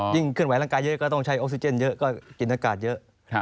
เคลื่อนไหร่างกายเยอะก็ต้องใช้ออกซิเจนเยอะก็กินอากาศเยอะ